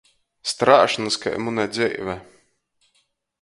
Strāšns kai muna dzeive.